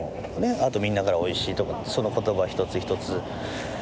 あとみんなからおいしいとかその言葉一つ一つ。